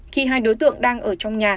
khi hai đối tượng đang ở trong nhà